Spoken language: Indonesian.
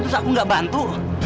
terus aku gak bantu